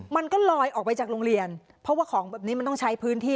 มันก็ลอยออกไปจากโรงเรียนเพราะว่าของแบบนี้มันต้องใช้พื้นที่